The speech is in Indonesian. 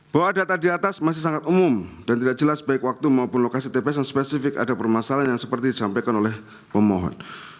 bahwa data di atas masih sangat umum dan tidak jelas baik waktu maupun lokasi tps yang spesifik ada permasalahan yang seperti disampaikan oleh pemohon